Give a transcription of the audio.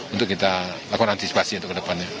untuk kita lakukan antisipasi untuk ke depannya